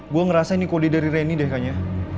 gue ngerasa ini kode dari reni deh kayaknya